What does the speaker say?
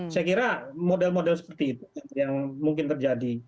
saya kira model model seperti itu yang mungkin terjadi